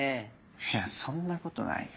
いやそんなことないよ。